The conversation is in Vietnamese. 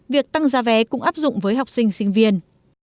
việc tăng giá vé cũng áp dụng với học sinh sinh viên